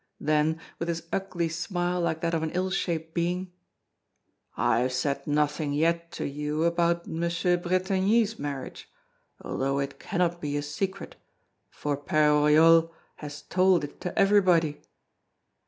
Then, with his ugly smile like that of an ill shaped being: "I have said nothing yet to you about M. Bretigny's marriage, although it cannot be a secret, for Père Oriol has told it to everybody."